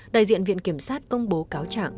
đại diện viện kiểm sát công bố cáo trạng